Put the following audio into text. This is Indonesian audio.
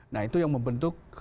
nah itu yang membentuk